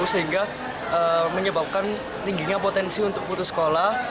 sehingga menyebabkan tingginya potensi untuk putus sekolah